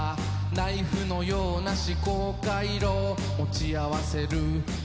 「ナイフのような思考回路」「持ち合わせる訳もなく」